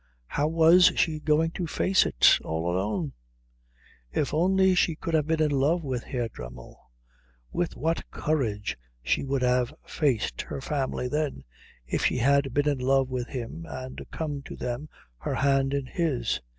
How was she going to face it, all alone? If only she could have been in love with Herr Dremmel! With what courage she would have faced her family then, if she had been in love with him and come to them her hand in his.